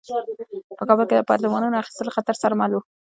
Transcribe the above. په کابل کې د اپارتمانونو اخیستل له خطر سره مل وو.